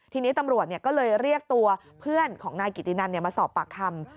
ทีนี้ตำรวจก็เลยเรียกตัวเพื่อนของนายกิตินันมาสอบปากคำ